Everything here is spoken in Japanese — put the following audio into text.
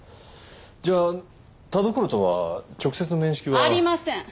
じゃあ田所とは直接の面識は？ありません！